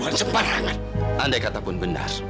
mas apa tidak cukup